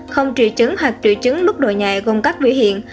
không trị chứng hoặc trị chứng mức độ nhạy gồm các vĩ hiện